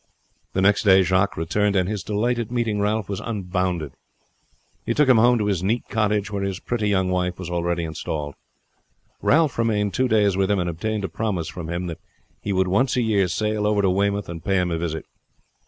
The next day Jacques returned, and his delight at meeting Ralph was unbounded. He took him home to his neat cottage where his pretty young wife was already installed. Ralph remained two days with him, and obtained a promise from him that he would once a year sail over to Weymouth and pay him a visit.